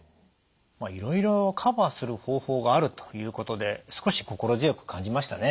いろいろカバーする方法があるということで少し心強く感じましたね。